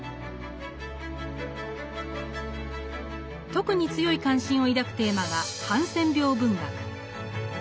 特に強い関心を抱くテーマがハンセン病文学。